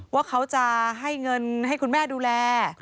ว่าเขาจะให้เงินให้คุณแม่ดูแล